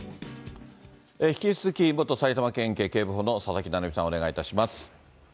引き続き、元埼玉県警警部補の佐々木成三さん、お願いいたします。